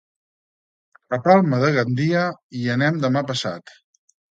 A Palma de Gandia hi anem demà passat.